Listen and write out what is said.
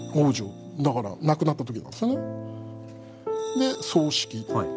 で葬式。